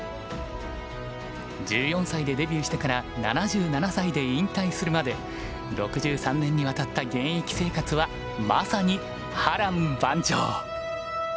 １４歳でデビューしてから７７歳で引退するまで６３年にわたった現役生活はまさに波乱万丈。